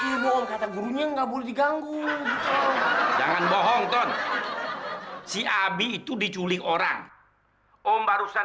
ibu om kata gurunya nggak boleh diganggu jangan bohong ton si abi itu diculik orang om barusan